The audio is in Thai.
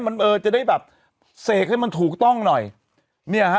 มันเออจะได้แบบเสกให้มันถูกต้องหน่อยเนี่ยฮะ